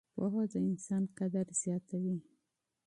پوهه د انسان قدر زیاتوي.